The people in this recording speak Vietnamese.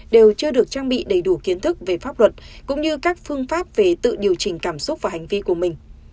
đều chưa được trang bị đầy đủ kiến thức về pháp luật cũng như các phương pháp về tự điều chỉnh cảm xúc và hành vi của mình